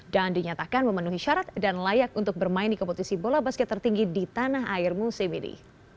dan dinyatakan memenuhi syarat dan layak untuk bermain di kompetisi bola basket tertinggi di tanah air musim ini